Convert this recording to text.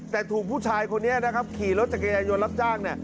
แต่ถูกผู้ชายคนนี้นะครับขี่รถจักรยายนต์รับจ้าง